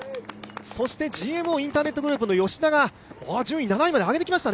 ＧＭＯインターネットグループの吉田が７位まで上げてきました。